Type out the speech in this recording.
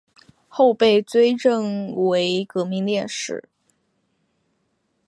后被追认为革命烈士。